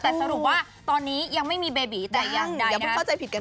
แต่สรุปว่าตอนนี้ยังไม่มีเบบิต่ายังได้นะ